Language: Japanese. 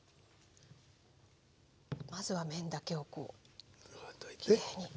まずは麺だけをこうきれいに。